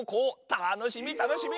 たのしみたのしみ！